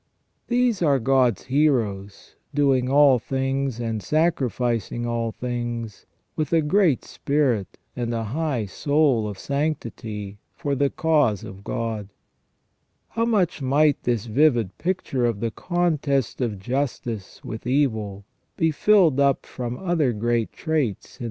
These are God's heroes, doing all things and sacrificing all things, with a great spirit and a high soul of sanctity, for the cause of God. How much might this vivid picture of the contest of justice with evil be filled up from other great traits in ON PENAL EVIL OR PUNISHMENT.